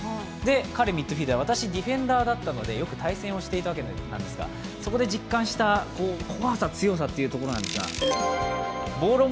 彼、ミットフィルダー、私、ディフェンダーだったんでよく対戦をしていたわけなんですがそこで実感した怖さ・強さですが。